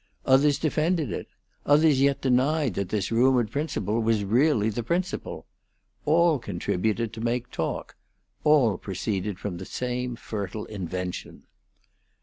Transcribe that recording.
Others defended it; others yet denied that this rumored principle was really the principle. All contributed to make talk. All proceeded from the same fertile invention.